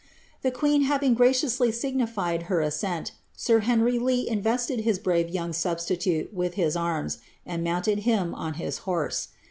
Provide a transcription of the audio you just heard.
The queen having graciously signified her aneot, sir Henry Lee invested his brave young substitute with his arms, tad mounted him on his. horse.